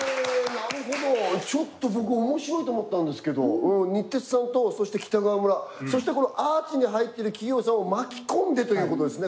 なるほどちょっと僕おもしろいと思ったんですけど日鉄さんとそして北川村そしてこのＡＲＣＨに入ってる企業さんを巻き込んでということですね。